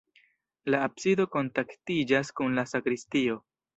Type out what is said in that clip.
La absido kontaktiĝas kun la sakristio.